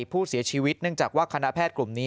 ผู้เสียชีวิตเนื่องจากว่าคณะแพทย์กลุ่มนี้